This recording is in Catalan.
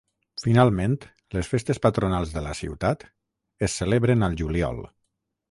Finalment, les festes patronals de la ciutat es celebren al juliol.